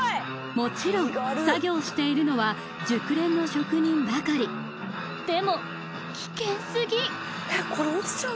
もちろん作業しているのは熟練の職人ばかりでも危険すぎえっ